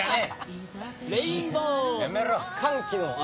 歓喜の雨。